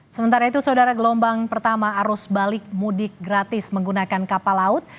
sementara itu saudara gelombang pertama arus balik mudik gratis menggunakan kapal laut